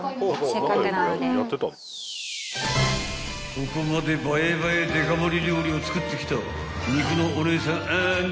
［ここまで映え映えデカ盛り料理を作ってきた肉のお姉さんアンド